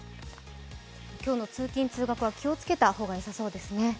今日の通勤・通学は気をつけた方がよさそうですね。